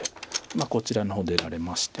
こちらの方出られましても。